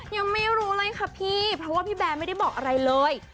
ยังไม่รู้เลยค่ะพี่เพราะว่าพี่แบร์ไม่ได้บอกอะไรเลย